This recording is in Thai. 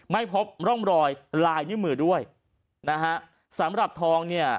ไม่พบร่องรอยลายนิ้วมือด้วยนะฮะสำหรับทองเนี่ย